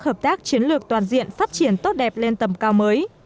hợp tác chiến lược toàn diện phát triển tốt đẹp lên tầm cao mới